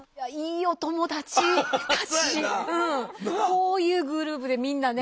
こういうグループでみんなね。